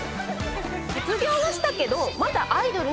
卒業はしたけど。